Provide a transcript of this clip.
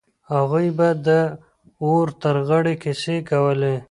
هغوی به د اور تر غاړې کيسې کولې.